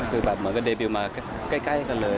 คือแบบเหมือนกับเดบิลมาใกล้กันเลย